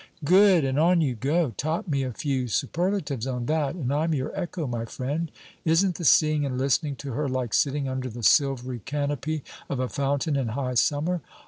'Good, and on you go. Top me a few superlatives on that, and I 'm your echo, my friend. Isn't the seeing and listening to her like sitting under the silvery canopy of a fountain in high Summer?'